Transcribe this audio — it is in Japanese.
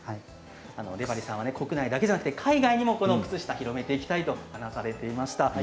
出張さんは国内だけじゃなくて海外にも靴下を広げていきたいとお話をされてました。